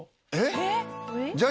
えっ？